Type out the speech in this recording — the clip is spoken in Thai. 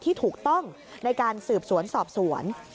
ที่ถูกต้องในการสืบสวนสอบสวน